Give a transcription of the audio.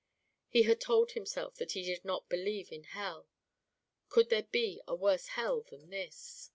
He had told himself that he did not believe in a hell. Could there be a worse hell than this?